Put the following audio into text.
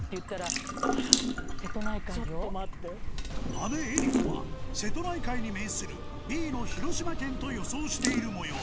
姉江里子は瀬戸内海に面するＢの広島県と予想している模様